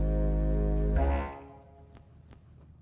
ramuannya apa kan gak ditulis ma